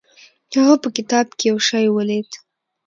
هغه په کتاب کې یو شی ولید.